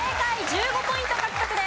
１５ポイント獲得です。